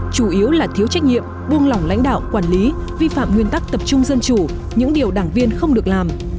chủ yếu là thiếu trách nhiệm buông lỏng lãnh đạo quản lý vi phạm nguyên tắc tập trung dân chủ những điều đảng viên không được làm